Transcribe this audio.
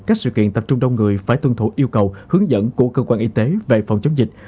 các sự kiện tập trung đông người phải tuân thủ yêu cầu hướng dẫn của cơ quan y tế về phòng chống dịch